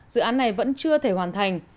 dự án này vẫn chưa thể hoàn thành